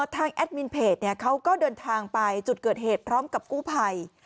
แอดมินเพจเขาก็เดินทางไปจุดเกิดเหตุพร้อมกับกู้ภัย